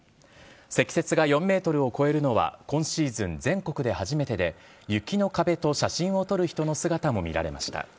積雪が４メートルを超えるのは今シーズン全国で初めてで、雪の壁と写真を撮る人の姿も見られました。